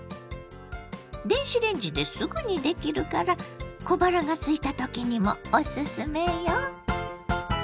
電子レンジですぐにできるから小腹がすいた時にもおすすめよ。